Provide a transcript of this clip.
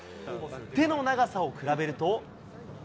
手の長さを比べると。